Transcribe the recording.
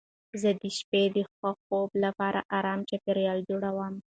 زه د شپې د ښه خوب لپاره ارام چاپېریال جوړوم.